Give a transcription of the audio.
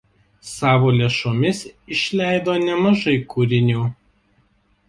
Savo lėšomis išleido nemažai kūrinių.